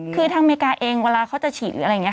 คือทางอเมริกาเองเวลาเขาจะฉีดหรืออะไรอย่างนี้